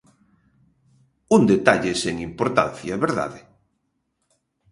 Un detalle sen importancia, ¿verdade?